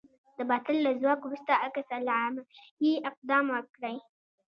د باطل له ځواک وروسته عکس العملي اقدام وکړئ.